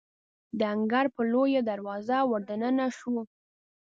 د انګړ په لویې دروازې وردننه شوو.